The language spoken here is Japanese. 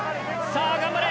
ああ頑張れ！